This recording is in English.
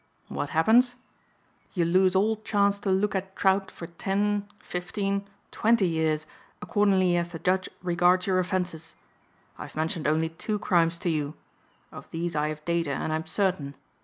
What happens? You lose all chance to look at trout for ten, fifteen, twenty years accordingly as the judge regards your offenses. I have mentioned only two crimes to you. Of these I have data and am certain.